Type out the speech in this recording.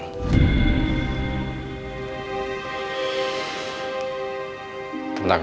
tentang kehamilan kamu